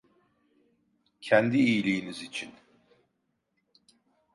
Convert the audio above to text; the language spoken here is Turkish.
Kendi iyiliğiniz için.